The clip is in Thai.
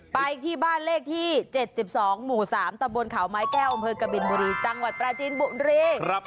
ไปที่บ้านเลขที่๗๒หมู่๓ตะบนเขาไม้แก้วอำเภอกบินบุรีจังหวัดปราจีนบุรี